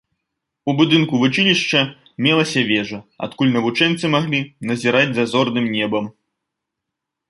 У будынку вучылішча мелася вежа, адкуль навучэнцы маглі назіраць за зорным небам.